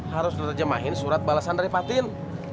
harus diterjemahin surat balasan dari patin